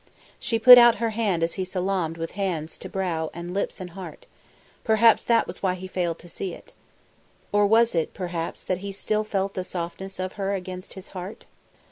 She put out her hand as he salaamed with hands to brow and lips and heart. Perhaps that was why he failed to see it. Or was it, perhaps, that he still felt the softness of her against his heart?